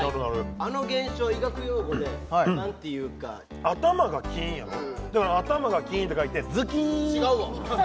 あの現象を医学用語で何ていうか頭がキーンやろだから頭がキーンって書いて違うわ！